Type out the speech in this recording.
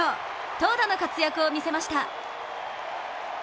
投打の活躍を見せました。